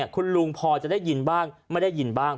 คุณลุงพอจะได้ยินบ้างไม่ได้ยินบ้าง